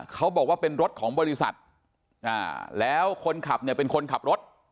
เขาบอกว่าเป็นรถของบริษัทแล้วคนขับเนี่ยเป็นคนขับรถ